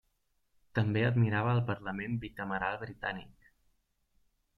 També admirava al parlament bicameral britànic.